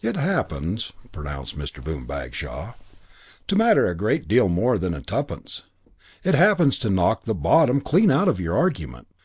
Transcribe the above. "It happens," pronounced Mr. Boom Bagshaw, "to matter a great deal more than tuppence. It happens to knock the bottom clean out of your argument.